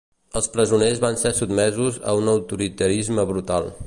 Els presoners van ser sotmesos a un autoritarisme brutal.